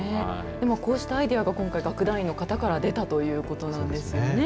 でもこうしたアイデアが楽団員の方から出たということなんですよね。